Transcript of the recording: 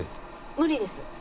無理です。